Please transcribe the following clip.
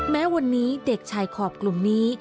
แม้วันนี้เด็กชายขอบกลุ่มนี้